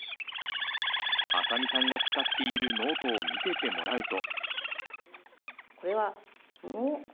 浅見さんが使っているノートを見せてもらうと。